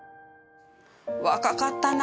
若かったな。